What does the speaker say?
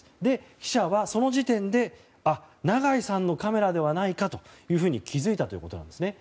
記者はその時点で長井さんのカメラではないかと気づいたということなんですね。